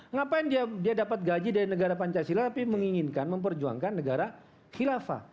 ngapain dia dapat gaji dari negara pancasila tapi menginginkan memperjuangkan negara khilafah